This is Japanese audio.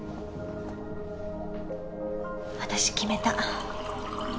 私決めた。